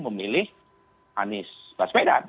memilih anies baswedan